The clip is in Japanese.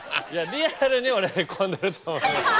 リアルに俺ヘコんでると思います。